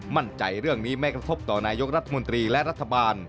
มั่นใจเรื่องนี้ไม่กระทบต่อนายกรัฐมนตรีและรัฐบาล